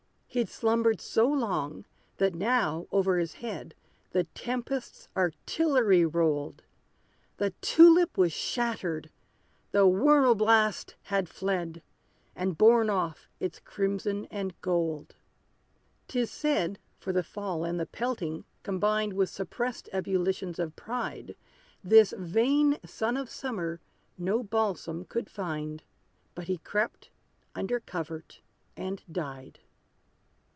He'd slumbered so long, that now, over his head, The tempest's artillery rolled; The tulip was shattered the whirl blast had fled, And borne off its crimson and gold. 'Tis said, for the fall and the pelting, combined With suppressed ebullitions of pride. This vain son of summer no balsam could find, But he crept under covert and died!